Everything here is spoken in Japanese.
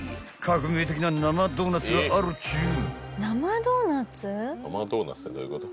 ［革命的な生ドーナツがあるっちゅう］